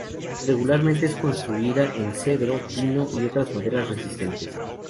Regularmente es construida en cedro, pino y otras maderas resistentes.